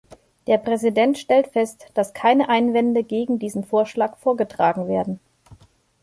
Der Präsident stellt fest, dass keine Einwände gegen diesen Vorschlag vorgetragen werden.